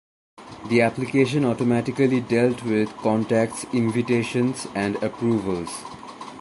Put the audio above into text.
The application automatically dealt with contacts invitations and approvals.